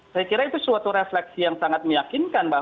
saya kira itu suatu refleksi yang sangat meyakinkan